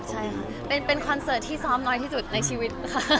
ใช่ค่ะเป็นคอนเสิร์ตที่ซ้อมน้อยที่สุดในชีวิตค่ะ